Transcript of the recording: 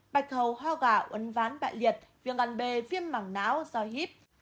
bạch hầu ho gạo ấn ván bại liệt viên gần bề viêm mảng não do hiếp